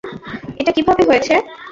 এটা কিভাবে হয়েছে?